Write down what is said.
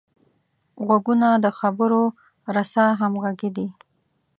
غوږونه د خبرو رسه همغږي دي